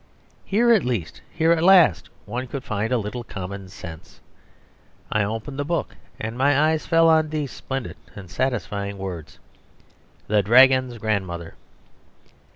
Here at least, here at last, one could find a little common sense. I opened the book, and my eyes fell on these splendid and satisfying words, "The Dragon's Grandmother."